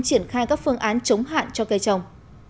triển khai các phương án chống hạn cho cây trồng